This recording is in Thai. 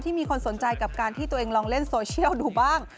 มีคนสนใจกับการที่ตัวเองลองเล่นโซเชียลดูบ้าง